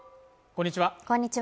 こんにちは